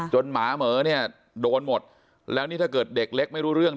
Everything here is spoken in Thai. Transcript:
หมาเหม๋อเนี่ยโดนหมดแล้วนี่ถ้าเกิดเด็กเล็กไม่รู้เรื่อง